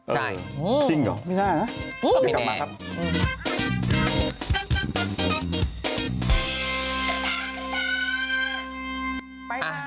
จริงเหรอไม่น่านะเดี๋ยวกลับมาครับ